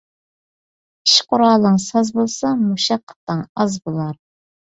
ئىش قۇرالىڭ ساز بولسا، مۇشەققىتىڭ ئاز بولار.